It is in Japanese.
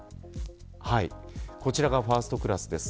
こちらがファーストクラスです。